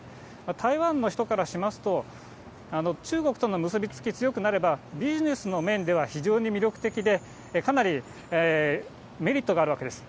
台湾の人からしますと、中国との結び付きが強くなれば、ビジネスの面では非常に魅力的で、かなりメリットがあるわけです。